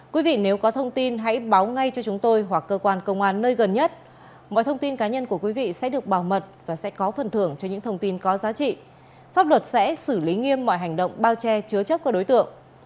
quý vị nếu có thông tin hãy báo ngay cho chúng tôi hoặc cơ quan công an nơi gần nhất mọi thông tin cá nhân của quý vị sẽ được bảo mật và sẽ có phần thưởng cho những thông tin có giá trị pháp luật sẽ xử lý nghiêm mọi hành động bao che chứa chấp các đối tượng